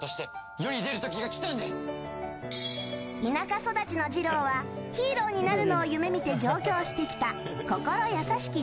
田舎育ちのジロウはヒーローになるのを夢見て上京してきた心優しき